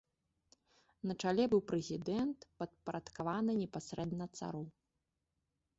На чале быў прэзідэнт, падпарадкаваны непасрэдна цару.